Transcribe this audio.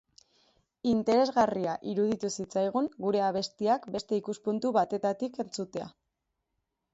Interesgarria iruditu zitzaigun gure abestiak beste ikuspuntu batetatik entzutea.